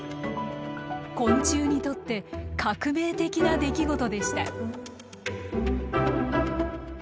昆虫にとって革命的な出来事でした。